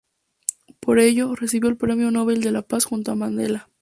Por ello, recibió el Premio Nobel de la Paz junto a Mandela.